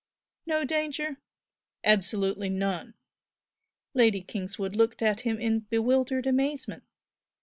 "No danger?" "Absolutely none!" Lady Kingswood looked at him in bewildered amazement.